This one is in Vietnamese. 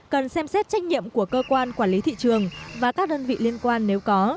cần xem xét trách nhiệm của cơ quan quản lý thị trường và các đơn vị liên quan nếu có